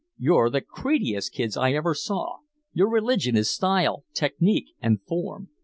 You're the creediest kids I ever saw, your religion is style, technique and form.